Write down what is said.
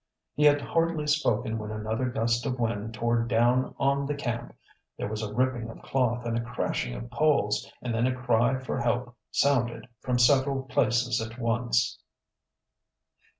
He had hardly spoken when another gust of wind tore down on the camp. There was a ripping of cloth and a crashing of poles, and then a cry for help sounded from several places at once.